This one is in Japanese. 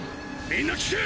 みんな聞け！